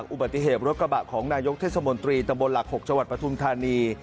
อุบัติเหตุรถกระบะของนายกเทศมนตรีตำบลหลัก๖จังหวัดปฐุมธานี